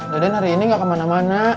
daden hari ini gak kemana mana